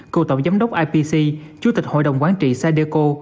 cựu tổng giám đốc ipc chủ tịch hội đồng quán trị sadeco